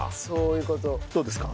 どうですか？